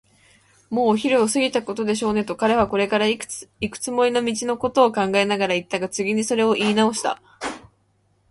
「もうお昼を過ぎたことでしょうね」と、彼はこれからいくつもりの道のことを考えながらいったが、次にそれをいいなおした。